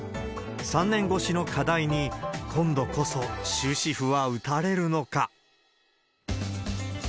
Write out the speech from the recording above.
３年越しの課題に、今度こそ終止符は打たれるのか。